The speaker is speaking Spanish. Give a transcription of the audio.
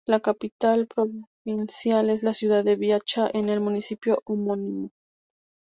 La capital provincial es la ciudad de Viacha en el municipio homónimo.